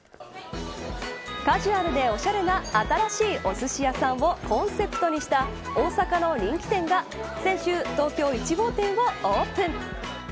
カジュアルで、おしゃれな新しいおすし屋さんをコンセプトにした大阪の人気店が先週、東京１号店をオープン。